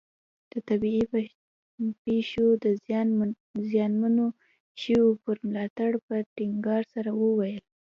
د طبیعي پېښو د زیانمنو شویو پر ملاتړ په ټینګار سره وویل.